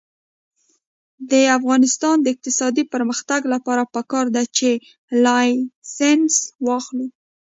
د افغانستان د اقتصادي پرمختګ لپاره پکار ده چې لایسنس واخلو.